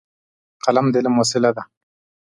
قلم د علم وسیله ده.